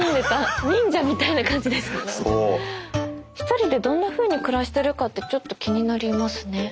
１人でどんなふうに暮らしてるかってちょっと気になりますね。